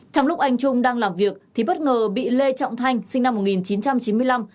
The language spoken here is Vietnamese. trong lúc anh trung đang làm việc thì bất ngờ bị lê trọng thanh sinh năm một nghìn chín trăm chín mươi năm